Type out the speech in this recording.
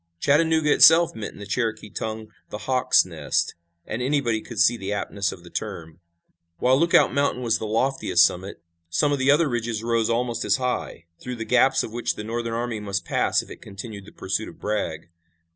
Chattanooga itself meant in the Cherokee tongue "the hawk's nest," and anybody could see the aptness of the term. While Lookout Mountain was the loftiest summit, some of the other ridges rose almost as high, through the gaps of which the Northern army must pass if it continued the pursuit of Bragg.